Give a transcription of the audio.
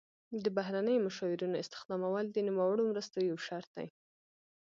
د بهرنیو مشاورینو استخدامول د نوموړو مرستو یو شرط دی.